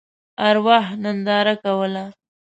ارواح ننداره کوله.